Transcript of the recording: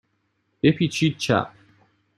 بپیچید چپ.